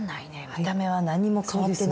見た目は何も変わってないですよ。